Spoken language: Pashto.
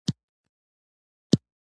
هر ستوری د خپل ځواک او ښکلا یوه بیلګه ده.